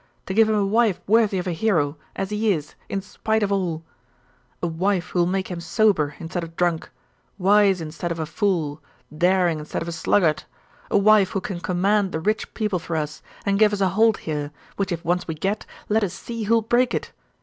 to give him a wife worthy of a hero, as he is, in spite of all a wife who will make him sober instead of drunk, wise instead of a fool, daring instead of a sluggard a wife who can command the rich people for us, and give us a hold here, which if once we get, let us see who will break it!